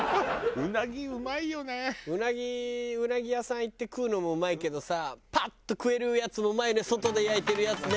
うなぎうなぎ屋さん行って食うのもうまいけどさパッと食えるやつもうまいね外で焼いてるやつね。